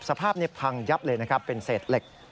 สภาพพังยับเลยเป็นเศษเหล็ก